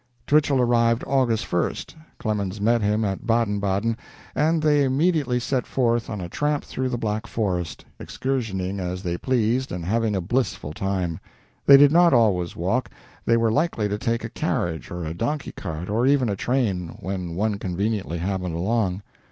Twichell arrived August 1st. Clemens met him at Baden Baden, and they immediately set forth on a tramp through the Black Forest, excursioning as they pleased and having a blissful time. They did not always walk. They were likely to take a carriage or a donkey cart, or even a train, when one conveniently happened along.